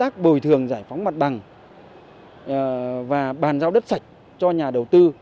các bồi thường giải phóng mặt bằng và bàn giao đất sạch cho nhà đầu tư